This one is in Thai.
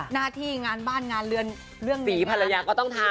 หน้าที่งานบ้านงานเรือนเรื่องนี้ภรรยาก็ต้องทำ